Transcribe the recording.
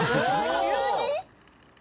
急に！？